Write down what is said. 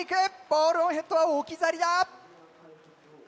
ボールオンヘッドは置き去りだ！